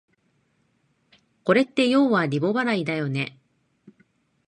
これってようはリボ払いだよね